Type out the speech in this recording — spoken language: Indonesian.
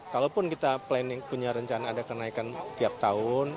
kalaupun kita planning punya rencana ada kenaikan tiap tahun